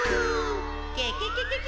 ケケケケケ！